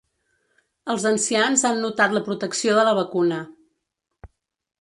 Els ancians han notat la protecció de la vacuna.